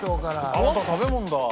あっまた食べ物だ。